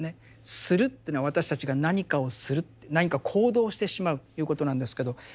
「する」というのは私たちが何かをするって何か行動をしてしまうということなんですけど。